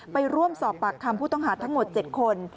ไปร่วมสอบปากคำผู้ต้องหาทั้งหมด๗คน